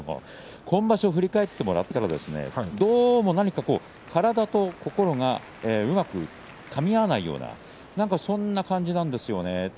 今場所を振り返ってもらってもどうも何か体と心がうまくかみ合わないようなそんな感じなんですよね